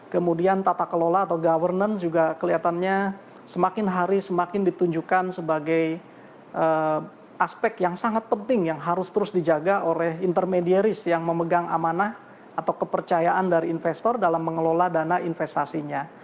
kemudian tata kelola atau governance juga kelihatannya semakin hari semakin ditunjukkan sebagai aspek yang sangat penting yang harus terus dijaga oleh intermediaris yang memegang amanah atau kepercayaan dari investor dalam mengelola dana investasinya